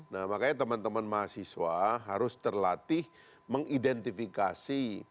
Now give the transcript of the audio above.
nah makanya teman teman mahasiswa harus terlatih mengidentifikasi